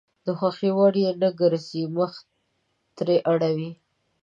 د خوښې وړ يې نه ګرځي مخ ترې اړوي.